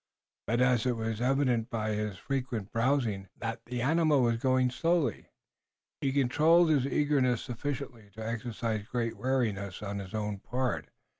But as it was evident by his frequent browsing that the animal was going slowly, he controlled his eagerness sufficiently to exercise great wariness on his own part.